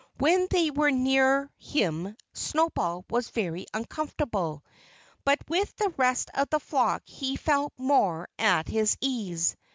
When they were near him Snowball was very uncomfortable. But with the rest of the flock he felt more at his ease.